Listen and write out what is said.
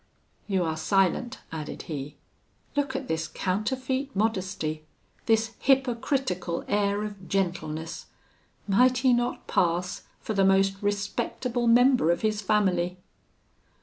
You are silent,' added he: 'look at this counterfeit modesty, this hypocritical air of gentleness! might he not pass for the most respectable member of his family?'